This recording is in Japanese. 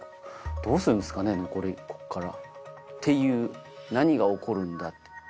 どうするんですかねこっから。っていう何が起こるんだ。